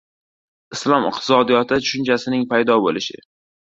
"Islom iqtisodiyoti" tushunchasining paydo bo‘lishi